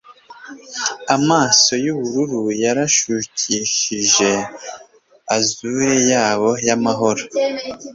amaso yubururu yaranshukishije azure yabo y'amahoro